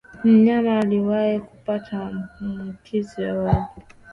Mnyama aliwahi kupata maambukizi awali